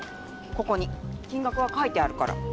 ここに金額が書いてあるから。